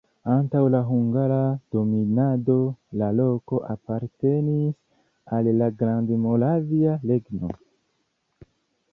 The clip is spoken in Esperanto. Antaŭ la hungara dominado la loko apartenis al la Grandmoravia Regno.